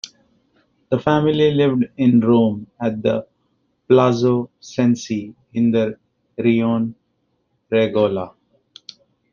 The family lived in Rome at the Palazzo Cenci in the rione Regola.